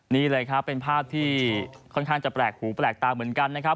นี่เลยครับเป็นภาพที่ค่อนข้างจะแปลกหูแปลกตาเหมือนกันนะครับ